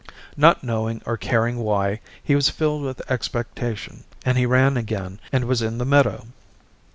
Not knowing or caring why, he was filled with expectation and he ran again and was in the meadow.